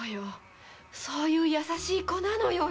そういう優しい娘なのよ